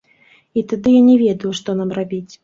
І тады я не ведаю, што нам рабіць.